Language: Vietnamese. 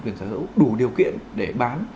quyền sở hữu đủ điều kiện để bán